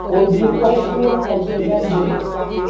Wo ji kwashiwa kwashidagbe.